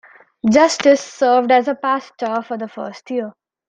Justice served as pastor for the first year.